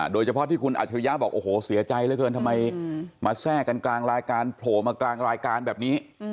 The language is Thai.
โดยเฉพาะที่คุณอัจฉริยะบอกโอ้โหเสียใจเหลือเกินทำไมมาแทรกกันกลางรายการโผล่มากลางรายการแบบนี้